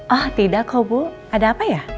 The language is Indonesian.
ah tidak kok bu ada apa ya